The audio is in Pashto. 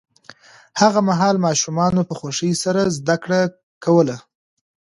هغه مهال ماشومانو په خوښۍ سره زده کړه کوله.